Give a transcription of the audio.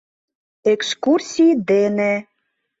Экскурсий дене.